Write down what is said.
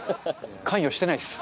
関与してないです。